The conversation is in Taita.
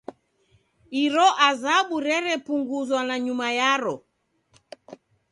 Iro azabu rerepunguzwa nanyuma yaro.